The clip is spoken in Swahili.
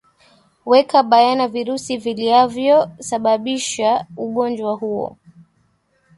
weka bayana virusi viliavyo sababisha ugonjwa huo